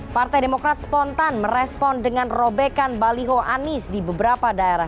partai demokrat spontan merespon dengan robekan baliho anies di beberapa daerah